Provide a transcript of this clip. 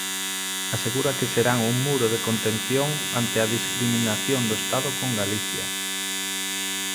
Asegura que serán un muro de contención ante a discriminación do Estado con Galicia.